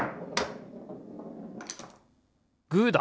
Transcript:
グーだ！